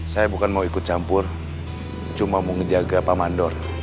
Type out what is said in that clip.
saya bukan mau ikut campur cuma mau ngejaga pak mandor